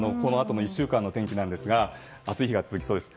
このあとの１週間の天気ですが暑い日が続きそうです。